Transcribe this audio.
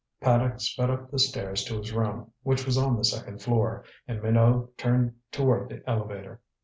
Paddock sped up the stairs to his room, which was on the second floor, and Minot turned toward the elevator.